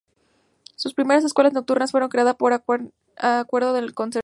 Su primera escuela nocturna fue creada por Acuerdo del Concejo No.